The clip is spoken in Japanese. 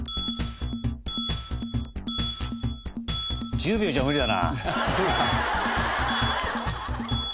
１０秒じゃ無理だなあ。